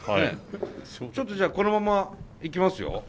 ちょっとじゃあこのままいきますよ。